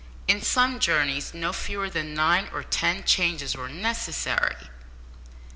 In some journeys no fewer than nine or ten changes were necessary!